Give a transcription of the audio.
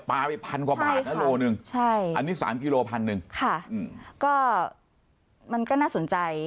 ปลาไปพันกว่าบาทนักโลนึงอันนี้๓กิโลพันนึงค่ะมันก็น่าสนใจ